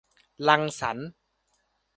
รังสรรค์